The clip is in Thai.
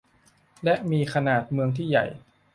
และมีขนาดเมืองที่ใหญ่